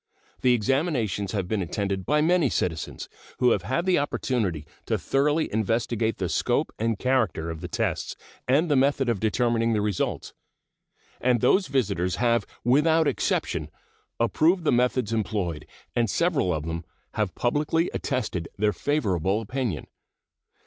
The examinations have been attended by many citizens, who have had an opportunity to thoroughly investigate the scope and character of the tests and the method of determining the results, and those visitors have without exception approved the methods employed, and several of them have publicly attested their favorable opinion.